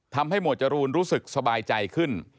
หมวดจรูนรู้สึกสบายใจขึ้น